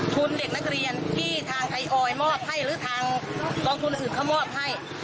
คุณเด็กนักเรียนที่ทางไทยออยมอบให้หรือทางกองทุนอื่นเขามอบให้